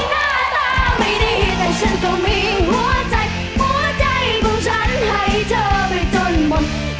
หน้าตาไม่ดีแต่ฉันก็มีหัวใจหัวใจของฉันให้เธอไปจนหมด